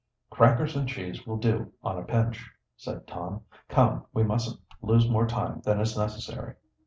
"Crackers and cheese will do on a pinch," said Tom. "Come, we mustn't lose more time than is necessary."